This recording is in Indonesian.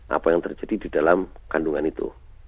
apa yang terjadi di dalam kandungan itu